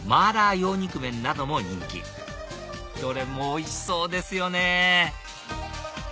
羊肉麺なども人気どれもおいしそうですよね